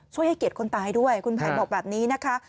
ให้เกียรติคนตายด้วยคุณภัยบอกแบบนี้นะคะ